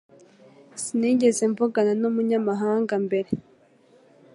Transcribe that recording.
Sinigeze mvugana numunyamahanga mbere.